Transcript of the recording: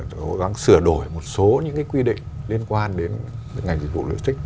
cố gắng sửa đổi một số những cái quy định liên quan đến ngành dịch vụ logistics